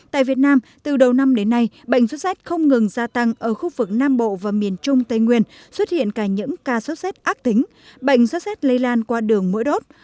tại việt nam từ đầu năm đến nay bệnh sốt rét không ngừng gia tăng ở khu vực nam bộ và miền trung tây nguyên xuất hiện cả những ca sốt xét ác tính bệnh sốt rét lây lan qua đường mũi đốt